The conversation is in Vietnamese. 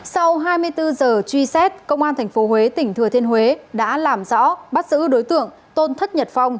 sau hai mươi bốn giờ truy xét công an tp huế tỉnh thừa thiên huế đã làm rõ bắt giữ đối tượng tôn thất nhật phong